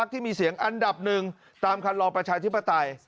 ที่มีเสียงอันดับหนึ่งตามคันรอประชาธิปไตย